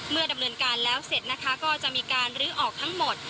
ดำเนินการแล้วเสร็จนะคะก็จะมีการลื้อออกทั้งหมด